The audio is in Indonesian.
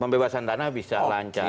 pembebasan tanah bisa lancar